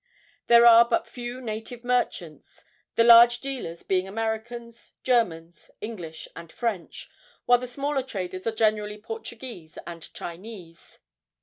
There are but few native merchants, the large dealers being Americans, Germans, English and French, while the smaller traders are generally Portuguese and Chinese.